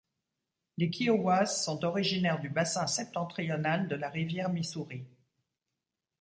Les Kiowas sont originaires du bassin septentrional de la rivière Missouri.